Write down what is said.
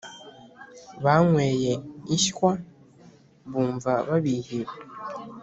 Banyweye inshywa bumva babihiwe